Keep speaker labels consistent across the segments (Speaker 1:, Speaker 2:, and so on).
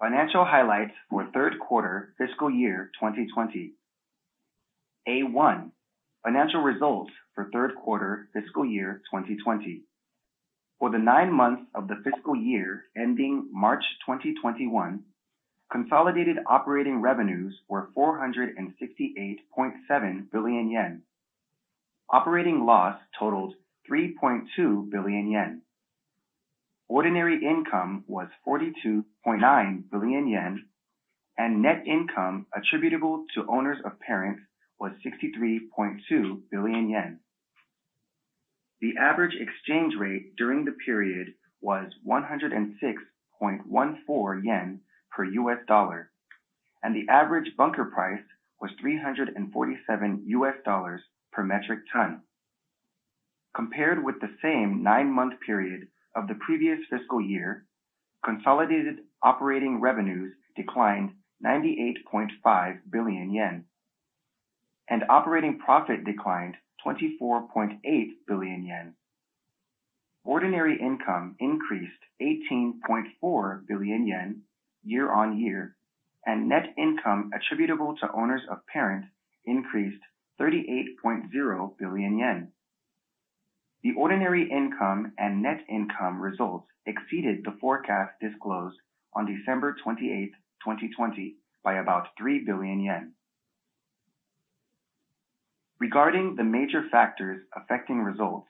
Speaker 1: Financial highlights for third quarter fiscal year 2020. A-1, financial results for third quarter fiscal year 2020. For the nine months of the fiscal year ending March 2021, consolidated operating revenues were 468.7 billion yen. Operating loss totaled 3.2 billion yen. Ordinary income was 42.9 billion yen, and net income attributable to owners of parent was 63.2 billion yen. The average exchange rate during the period was 106.14 yen per U.S. dollar, and the average bunker price was $347 per metric ton. Compared with the same nine-month period of the previous fiscal year, consolidated operating revenues declined 98.5 billion yen, and operating profit declined 24.8 billion yen. Ordinary income increased 18.4 billion yen year-on-year, and net income attributable to owners of parent increased 38.0 billion yen. The ordinary income and net income results exceeded the forecast disclosed on December 28th, 2020, by about 3 billion yen. Regarding the major factors affecting results,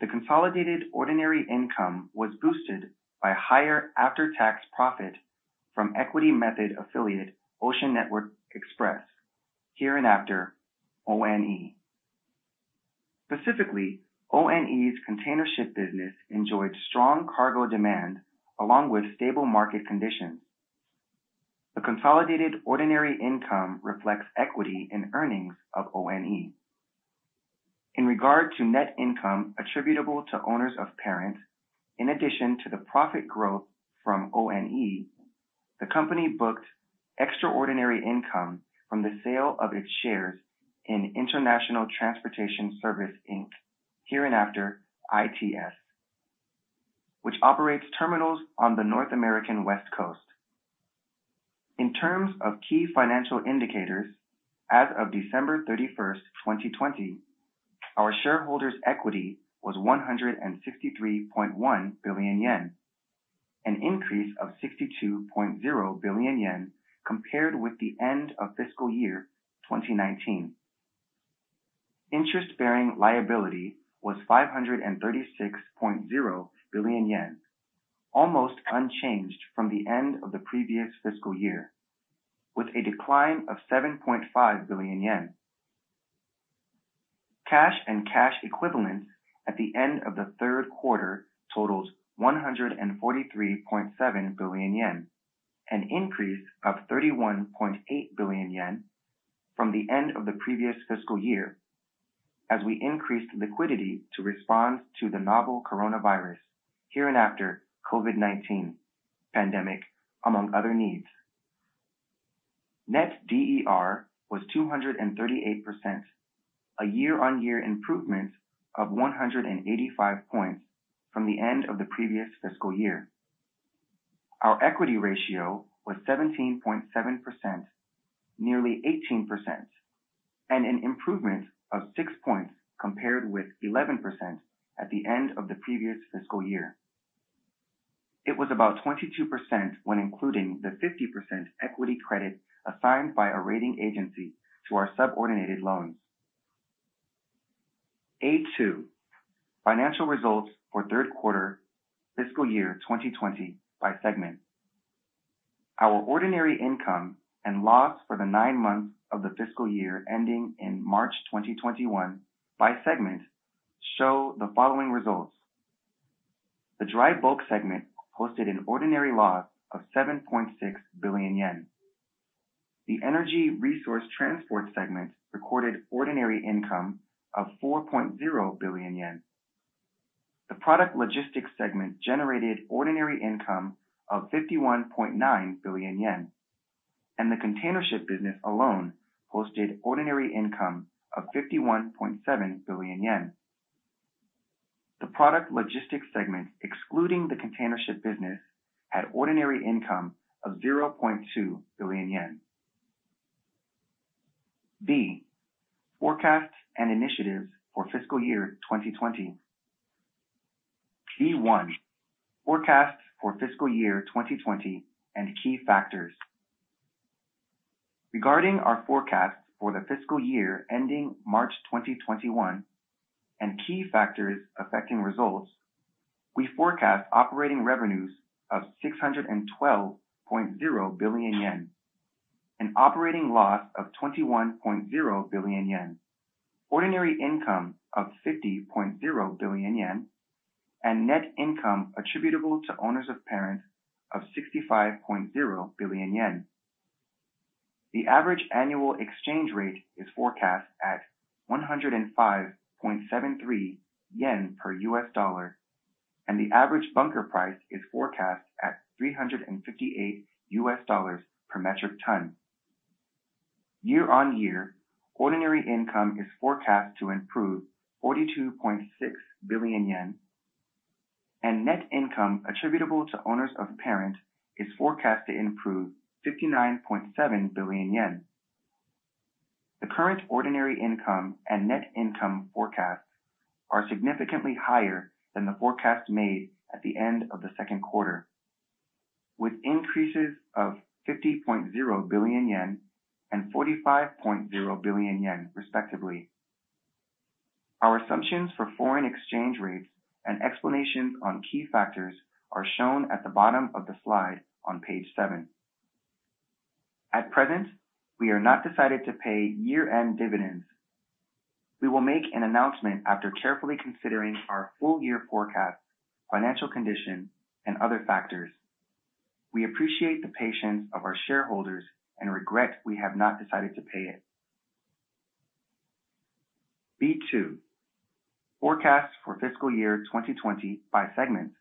Speaker 1: the consolidated ordinary income was boosted by higher after-tax profit from equity method affiliate Ocean Network Express, hereinafter ONE. Specifically, ONE's containership business enjoyed strong cargo demand along with stable market conditions. The consolidated ordinary income reflects equity in earnings of ONE. In regard to net income attributable to owners of parent, in addition to the profit growth from ONE, the company booked extraordinary income from the sale of its shares in International Transportation Service, Inc., hereinafter ITS, which operates terminals on the North American West Coast. In terms of key financial indicators, as of December 31st, 2020, our shareholders' equity was 153.1 billion yen, an increase of 62.0 billion yen compared with the end of fiscal year 2019. Interest-bearing liability was 536.0 billion yen, almost unchanged from the end of the previous fiscal year, with a decline of 7.5 billion yen. Cash and cash equivalents at the end of the third quarter totaled 143.7 billion yen, an increase of 31.8 billion yen from the end of the previous fiscal year, as we increased liquidity to respond to the novel coronavirus, hereinafter COVID-19, pandemic, among other needs. Net DER was 238%, a year-on-year improvement of 185 points from the end of the previous fiscal year. Our equity ratio was 17.7%, nearly 18%, and an improvement of six points compared with 11% at the end of the previous fiscal year. It was about 22% when including the 50% equity credit assigned by a rating agency to our subordinated loans. A-2, financial results for third quarter fiscal year 2020 by segment. Our ordinary income and loss for the nine months of the fiscal year ending in March 2021 by segment show the following results. The Dry Bulk segment posted an ordinary loss of 7.6 billion yen. The Energy Resource Transport segment recorded ordinary income of 4.0 billion yen. The Product Logistics segment generated ordinary income of 51.9 billion yen, and the Containership business alone posted ordinary income of 51.7 billion yen. The Product Logistics segment, excluding the Containership business, had ordinary income of 0.2 billion yen. B. Forecasts and initiatives for fiscal year 2020. B-1. Forecasts for fiscal year 2020 and key factors. Regarding our forecasts for the fiscal year ending March 2021 and key factors affecting results, we forecast operating revenues of 612.0 billion yen, an operating loss of 21.0 billion yen, ordinary income of 50.0 billion yen, and net income attributable to owners of parent of 65.0 billion yen. The average annual exchange rate is forecast at 105.73 yen per U.S. dollar, and the average bunker price is forecast at $358 per metric ton. Year-on-year, ordinary income is forecast to improve 42.6 billion yen, and net income attributable to owners of parent is forecast to improve 59.7 billion yen. The current ordinary income and net income forecasts are significantly higher than the forecast made at the end of the second quarter, with increases of 50.0 billion yen and 45.0 billion yen respectively. Our assumptions for foreign exchange rates and explanations on key factors are shown at the bottom of the slide on page seven. At present, we are not decided to pay year-end dividends. We will make an announcement after carefully considering our full-year forecast, financial condition, and other factors. We appreciate the patience of our shareholders and regret we have not decided to pay it. B-2, forecasts for fiscal year 2020 by segment.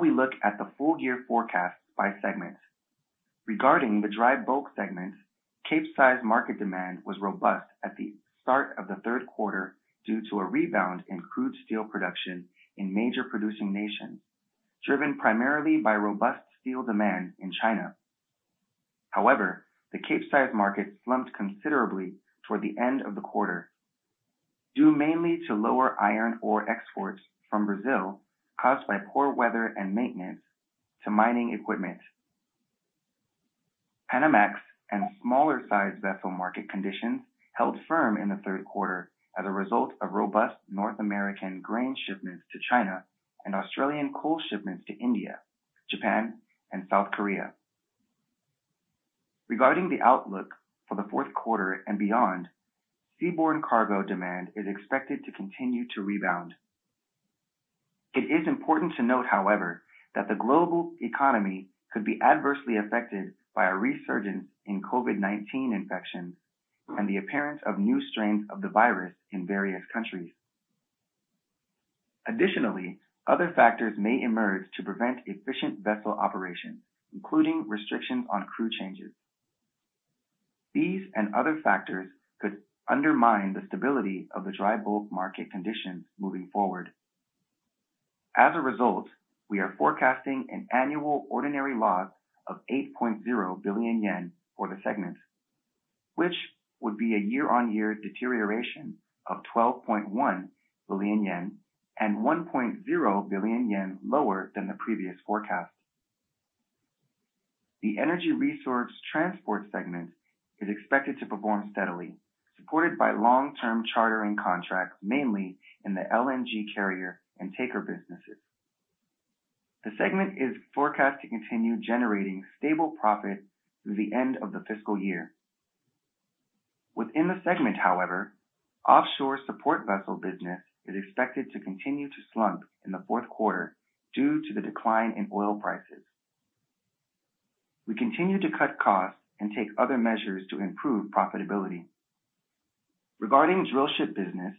Speaker 1: We look at the full-year forecast by segment. Regarding the Dry Bulk segment, Capesize market demand was robust at the start of the third quarter due to a rebound in crude steel production in major producing nations, driven primarily by robust steel demand in China. However, the Capesize market slumped considerably toward the end of the quarter, due mainly to lower iron ore exports from Brazil caused by poor weather and maintenance to mining equipment. Panamax and smaller-sized vessel market conditions held firm in the third quarter as a result of robust North American grain shipments to China and Australian coal shipments to India, Japan, and South Korea. Regarding the outlook for the fourth quarter and beyond, seaborne cargo demand is expected to continue to rebound. It is important to note, however, that the global economy could be adversely affected by a resurgence in COVID-19 infections and the appearance of new strains of the virus in various countries. Additionally, other factors may emerge to prevent efficient vessel operations, including restrictions on crew changes. These and other factors could undermine the stability of the Dry Bulk market conditions moving forward. As a result, we are forecasting an annual ordinary loss of 8.0 billion yen for the segment, which would be a year-on-year deterioration of 12.1 billion yen and 1.0 billion yen lower than the previous forecast. The Energy Resource Transport segment is expected to perform steadily, supported by long-term chartering contracts, mainly in the LNG carrier and tanker businesses. The segment is forecast to continue generating stable profit through the end of the fiscal year. Within the segment, however, offshore support vessel business is expected to continue to slump in the fourth quarter due to the decline in oil prices. We continue to cut costs and take other measures to improve profitability. Regarding drillship business,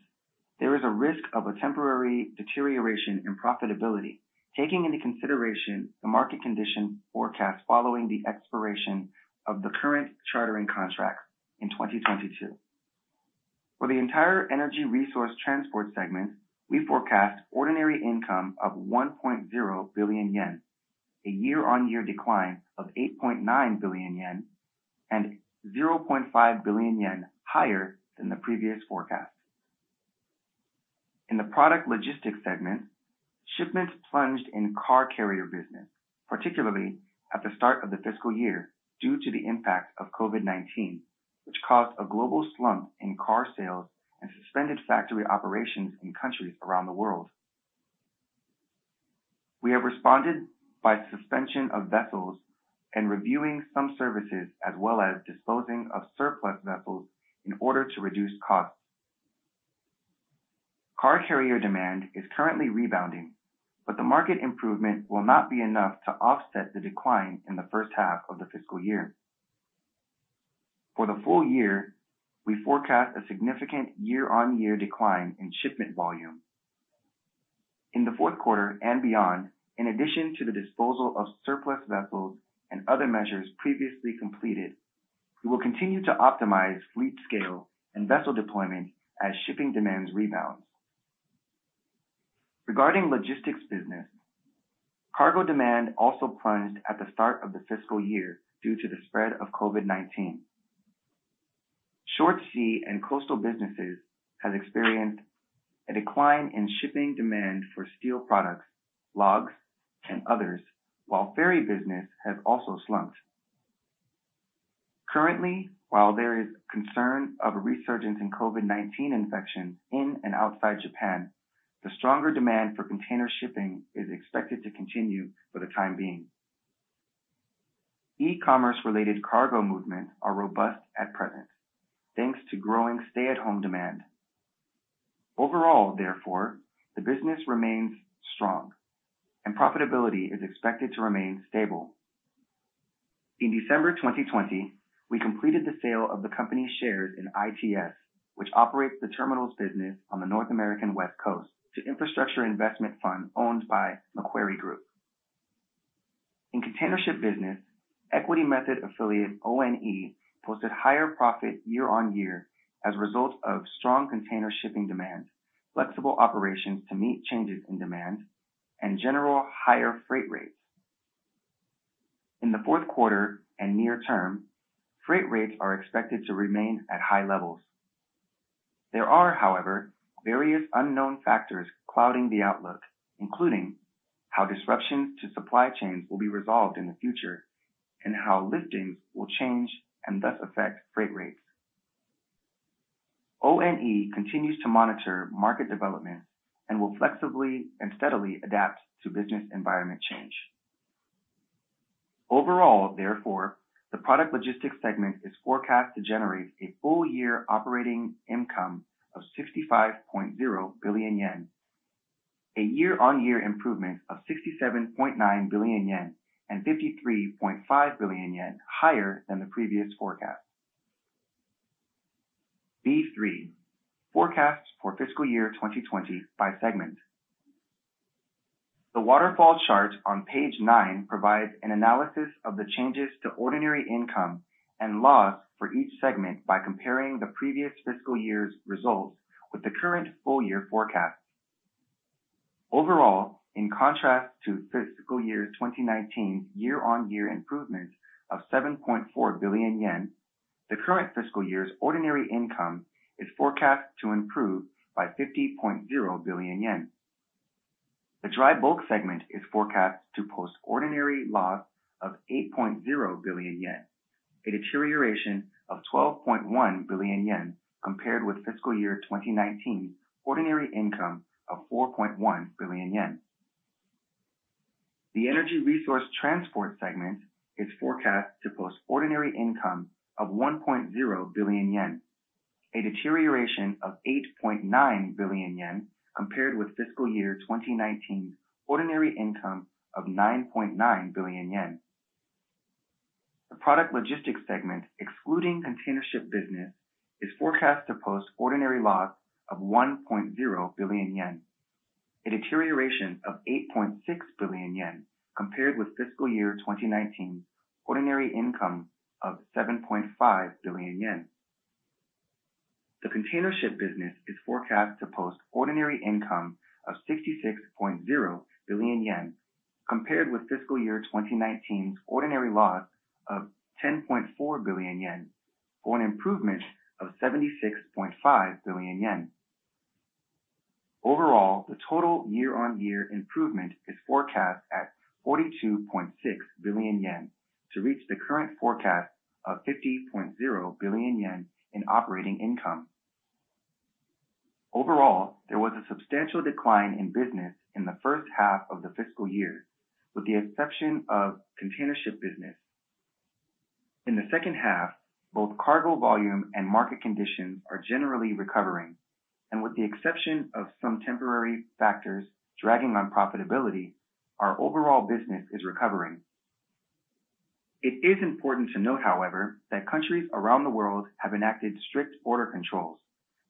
Speaker 1: there is a risk of a temporary deterioration in profitability, taking into consideration the market condition forecast following the expiration of the current chartering contracts in 2022. For the entire Energy Resource Transport segment, we forecast ordinary income of 1.0 billion yen, a year-on-year decline of 8.9 billion yen, and 0.5 billion yen higher than the previous forecast. In the Product Logistics segment, shipments plunged in car carrier business, particularly at the start of the fiscal year due to the impact of COVID-19, which caused a global slump in car sales and suspended factory operations in countries around the world. We have responded by suspension of vessels and reviewing some services, as well as disposing of surplus vessels in order to reduce costs. Car carrier demand is currently rebounding, but the market improvement will not be enough to offset the decline in the first half of the fiscal year. For the full year, we forecast a significant year-on-year decline in shipment volume. In the fourth quarter and beyond, in addition to the disposal of surplus vessels and other measures previously completed, we will continue to optimize fleet scale and vessel deployment as shipping demands rebounds. Regarding logistics business, cargo demand also plunged at the start of the fiscal year due to the spread of COVID-19. Short sea and coastal businesses have experienced a decline in shipping demand for steel products, logs, and others, while ferry business has also slumped. Currently, while there is concern of a resurgence in COVID-19 infections in and outside Japan, the stronger demand for container shipping is expected to continue for the time being. E-commerce-related cargo movement are robust at present, thanks to growing stay-at-home demand. Overall, therefore, the business remains strong, and profitability is expected to remain stable. In December 2020, we completed the sale of the company's shares in ITS, which operates the terminals business on the North American West Coast to infrastructure investment fund owned by Macquarie Group. In Containership Business, equity method affiliate ONE posted higher profit year-on-year as a result of strong container shipping demand, flexible operations to meet changes in demand, and general higher freight rates. In the fourth quarter and near term, freight rates are expected to remain at high levels. There are, however, various unknown factors clouding the outlook, including how disruptions to supply chains will be resolved in the future and how liftings will change and thus affect freight rates. ONE continues to monitor market developments and will flexibly and steadily adapt to business environment change. Overall, therefore, the Product Logistics segment is forecast to generate a full-year operating income of 65.0 billion yen, a year-on-year improvement of 67.9 billion yen and 53.5 billion yen higher than the previous forecast. B-3, forecasts for fiscal year 2020 by segment. The waterfall chart on page nine provides an analysis of the changes to ordinary income and loss for each segment by comparing the previous fiscal year's results with the current full-year forecast. Overall, in contrast to fiscal year 2019's year-on-year improvement of 7.4 billion yen, the current fiscal year's ordinary income is forecast to improve by 50.0 billion yen. The Dry Bulk segment is forecast to post ordinary loss of 8.0 billion yen, a deterioration of 12.1 billion yen compared with fiscal year 2019's ordinary income of 4.1 billion yen. The Energy Resource Transport segment is forecast to post ordinary income of 1.0 billion yen, a deterioration of 8.9 billion yen compared with fiscal year 2019's ordinary income of 9.9 billion yen. The Product Logistics segment, excluding containership business, is forecast to post ordinary loss of 1.0 billion yen, a deterioration of 8.6 billion yen compared with fiscal year 2019's ordinary income of 7.5 billion yen. The containership business is forecast to post ordinary income of 66.0 billion yen compared with fiscal year 2019's ordinary loss of 10.4 billion yen, for an improvement of 76.5 billion yen. Overall, the total year-on-year improvement is forecast at 42.6 billion yen to reach the current forecast of 50.0 billion yen in operating income. Overall, there was a substantial decline in business in the first half of the fiscal year, with the exception of Containership business. In the second half, both cargo volume and market conditions are generally recovering, and with the exception of some temporary factors dragging on profitability, our overall business is recovering. It is important to note, however, that countries around the world have enacted strict border controls,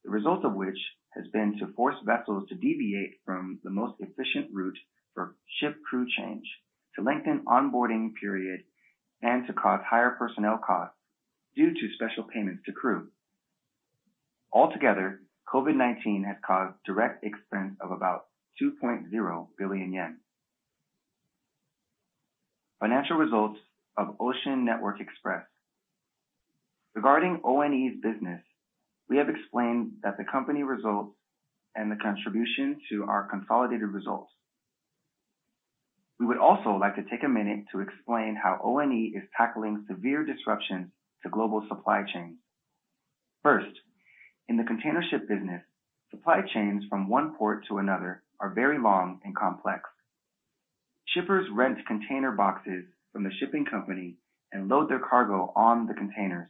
Speaker 1: the result of which has been to force vessels to deviate from the most efficient route for ship crew change, to lengthen onboarding period, and to cause higher personnel costs due to special payments to crew. Altogether, COVID-19 has caused direct expense of about 2.0 billion yen. Financial results of Ocean Network Express. Regarding ONE's business, we have explained that the company results and the contribution to our consolidated results. We would also like to take a minute to explain how ONE is tackling severe disruptions to global supply chains. First, in the containership business, supply chains from one port to another are very long and complex. Shippers rent container boxes from the shipping company and load their cargo on the containers,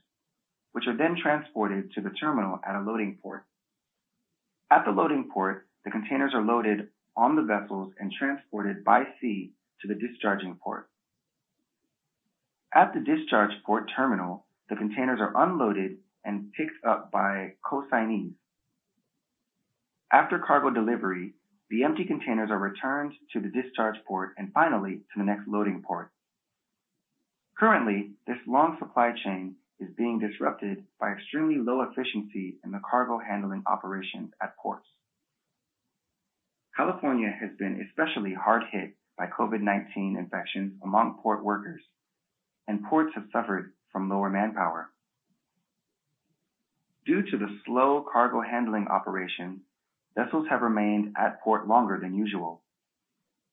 Speaker 1: which are then transported to the terminal at a loading port. At the loading port, the containers are loaded on the vessels and transported by sea to the discharging port. At the discharge port terminal, the containers are unloaded and picked up by consignees. After cargo delivery, the empty containers are returned to the discharge port and finally to the next loading port. Currently, this long supply chain is being disrupted by extremely low efficiency in the cargo handling operations at ports. California has been especially hard hit by COVID-19 infections among port workers, and ports have suffered from lower manpower. Due to the slow cargo handling operation, vessels have remained at port longer than usual.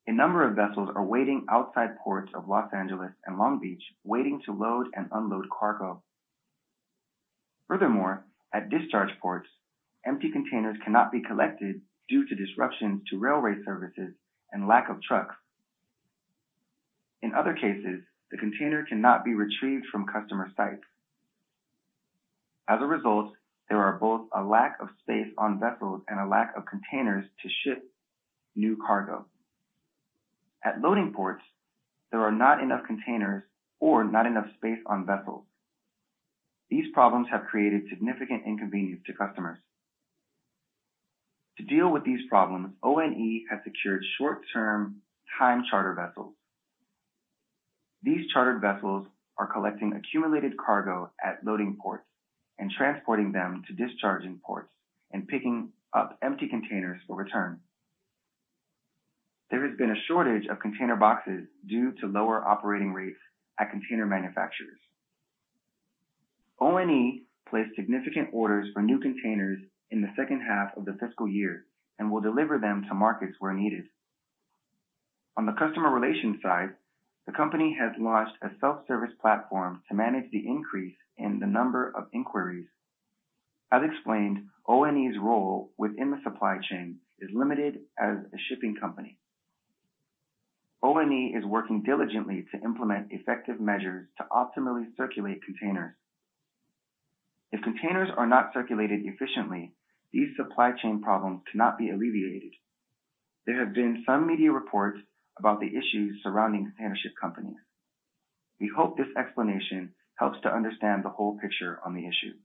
Speaker 1: A number of vessels are waiting outside ports of Los Angeles and Long Beach, waiting to load and unload cargo. At discharge ports, empty containers cannot be collected due to disruptions to railway services and lack of trucks. In other cases, the container cannot be retrieved from customer sites. As a result, there are both a lack of space on vessels and a lack of containers to ship new cargo. At loading ports, there are not enough containers or not enough space on vessels. These problems have created significant inconvenience to customers. To deal with these problems, ONE has secured short-term time charter vessels. These chartered vessels are collecting accumulated cargo at loading ports and transporting them to discharging ports and picking up empty containers for return. There has been a shortage of container boxes due to lower operating rates at container manufacturers. ONE placed significant orders for new containers in the second half of the fiscal year and will deliver them to markets where needed. On the customer relations side, the company has launched a self-service platform to manage the increase in the number of inquiries. As explained, ONE's role within the supply chain is limited as a shipping company. ONE is working diligently to implement effective measures to optimally circulate containers. If containers are not circulated efficiently, these supply chain problems cannot be alleviated. There have been some media reports about the issues surrounding containership companies. We hope this explanation helps to understand the whole picture on the issue.